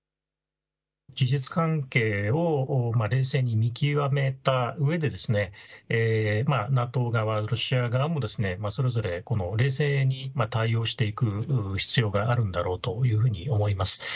事実関係を冷静に見極めたうえでＮＡＴＯ側、ロシア側もそれぞれ冷静に対応していく必要があるんだろうと思います。